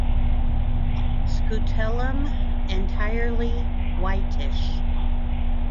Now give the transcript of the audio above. Scutellum entirely whitish.